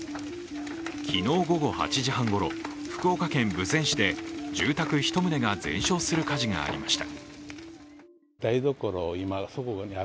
昨日午後８時半ごろ、福岡県豊前市で住宅１棟が全焼する火事がありました。